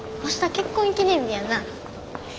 結婚記念日やな。